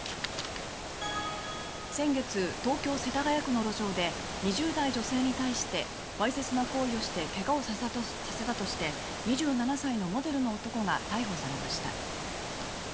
先月、東京・世田谷区の路上で２０代女性にわいせつな行為をしてけがをさせたとして２７歳のモデルの男が逮捕されました。